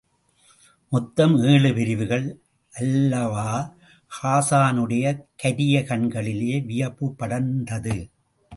மொத்தம் ஏழு பிரிவுகள் அல்லவா? ஹாஸானுடைய கரிய கண்களிலே வியப்புப் படர்ந்தது.